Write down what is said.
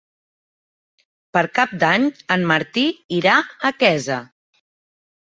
Per Cap d'Any en Martí irà a Quesa.